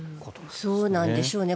そうなんでしょうね